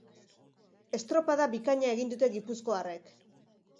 Estropada bikaina egin dute gipuzkoarrek.